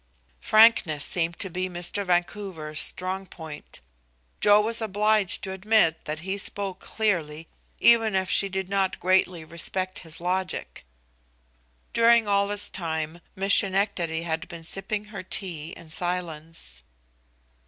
Frankness seemed to be Mr. Vancouver's strong point. Joe was obliged to admit that he spoke clearly, even if she did not greatly respect his logic. During all this time, Miss Schenectady had been sipping her tea in silence.